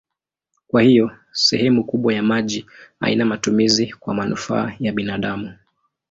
Kwa hiyo sehemu kubwa ya maji haina matumizi kwa manufaa ya binadamu.